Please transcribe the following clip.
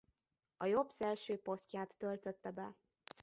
A jobbszélső posztját töltötte be.